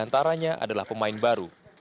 sementaranya adalah pemain baru